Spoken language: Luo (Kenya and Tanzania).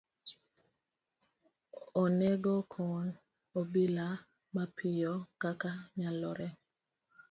Onego okon obila mapiyo kaka nyalore.